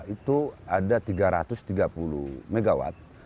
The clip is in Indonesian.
itu ada tiga ratus tiga puluh mw